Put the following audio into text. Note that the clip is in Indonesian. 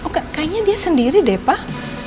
oke kayaknya dia sendiri deh pak